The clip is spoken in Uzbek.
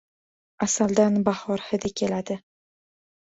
Asaldan bahor hidi keldi.